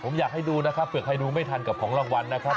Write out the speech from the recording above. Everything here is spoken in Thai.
ผมอยากให้ดูนะครับเผื่อใครดูไม่ทันกับของรางวัลนะครับ